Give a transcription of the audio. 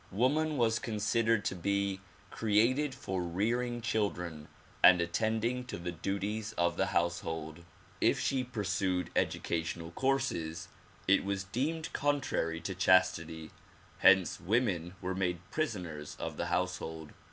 Woman was considered to be created for rearing children and attending to the duties of the household. If she pursued educational courses it was deemed con trary to chastity ; hence women w'ere made prisoners of the house hold.